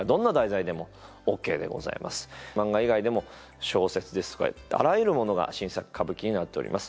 漫画以外でも小説ですとかあらゆるものが新作歌舞伎になっております。